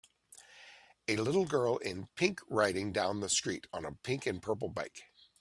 A little girl in pink riding down the street on a pink and purple bike